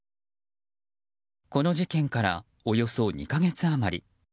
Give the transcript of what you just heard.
この事件からおよそ２か月余り。